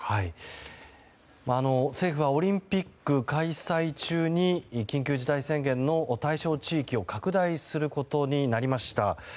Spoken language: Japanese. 政府はオリンピック開催中に緊急事態宣言の対象地域を拡大することになりました。